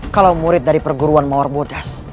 kalau murid dari perguruan mawar bodas